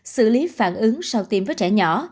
xử lý phản ứng sau tiêm với trẻ nhỏ